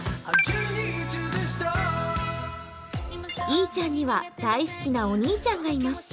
いーちゃんには大好きなお兄ちゃんがいます。